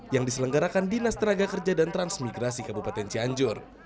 yang diselenggarakan dinas tenaga kerja dan transmigrasi kabupaten cianjur